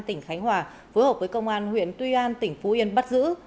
tỉnh khánh hòa phối hợp với công an huyện tuy an tỉnh phú yên bắt giữ